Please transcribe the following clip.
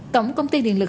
tổng công ty điện lực